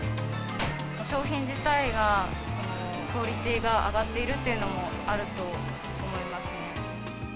商品自体がクオリティーが上がっているというのもあると思いますね。